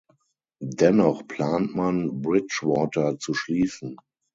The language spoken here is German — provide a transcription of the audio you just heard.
Dennoch plant man, Bridgwater zu schließen.